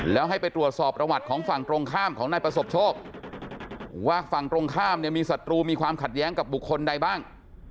แล้วให้ไปตรวจสอบประวัติของฝั่งตรงข้ามของนายประสบโชคว่าฝั่งตรงข้ามเนี่ยมีศัตรูมีความขัดแย้งกับบุคคลใดบ้าง